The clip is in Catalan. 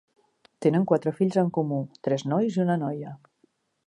Tenen quatre fills en comú, tres nois i una noia.